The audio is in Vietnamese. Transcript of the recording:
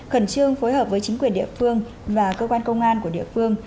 khẩn trương phối hợp với chính quyền địa phương và cơ quan công an của địa phương